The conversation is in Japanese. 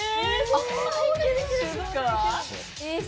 そんなに変形できるんですか？